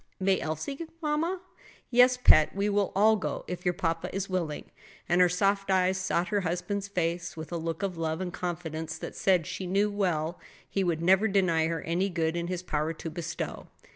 "May Elsie, mamma?" "Yes, pet; we will all go, if your papa is willing." And her soft eyes sought her husband's face with a look of love and confidence that said she well knew he would never deny her any good in his power to bestow.